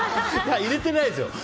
入れてないですよ。